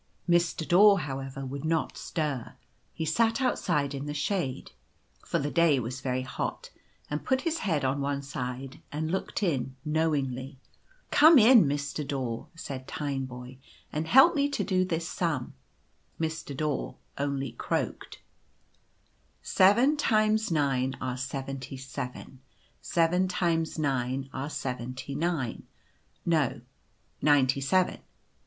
Mr. Daw, however, would not stir; he sat outside in the shade, for the day was very hot, and put his head on one side and looked in knowingly. " Come in, Mr. Daw," said Tineboy, " and help me to do this sum/' Mr. Daw only croaked. " Seven times nine are seventy seven, seven times nine are seventy nine — no ninety seven.